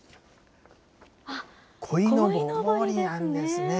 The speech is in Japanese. こいのぼりですね。